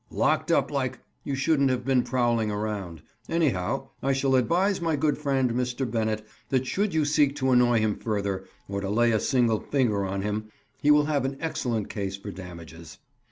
"Locked up like—?" "You shouldn't have been prowling around. Anyhow, I shall advise my good friend, Mr. Bennett, that should you seek to annoy him further, or to lay a single finger on him, he will have an excellent case for damages.